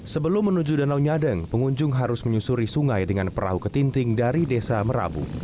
sebelum menuju danau nyadeng pengunjung harus menyusuri sungai dengan perahu ketinting dari desa merabu